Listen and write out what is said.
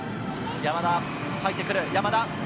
入ってくる、山田！